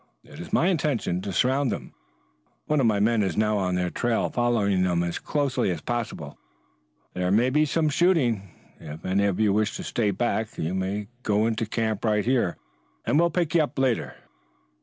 It is my intention to surround them. One of my men is now on their trail, following them as closely as possible. There may be some shooting. If any of you wish to stay back you may go into camp right here and we will pick you up later."